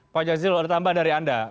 pak jazilul ada tambahan dari anda